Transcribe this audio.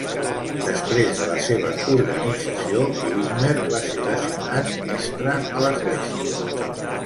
Després de la seva organització, Whitmer va ser designat mestre a l'església.